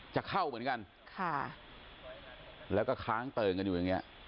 จะเข้าเหมือนกันค่ะแล้วก็ค้างเติ่งกันอยู่อย่างเงี้ย